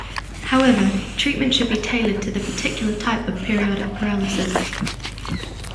However, treatment should be tailored to the particular type of periodic paralysis.